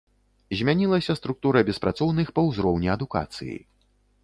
Змянілася структура беспрацоўных па ўзроўні адукацыі.